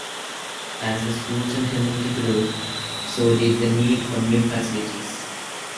As the schools and community grew, so did the need for new facilities.